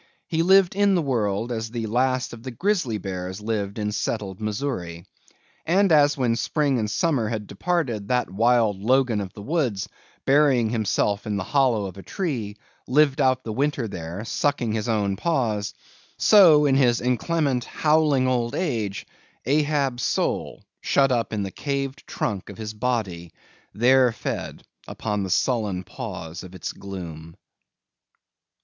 He lived in the world, as the last of the Grisly Bears lived in settled Missouri. And as when Spring and Summer had departed, that wild Logan of the woods, burying himself in the hollow of a tree, lived out the winter there, sucking his own paws; so, in his inclement, howling old age, Ahab's soul, shut up in the caved trunk of his body, there fed upon the sullen paws of its gloom!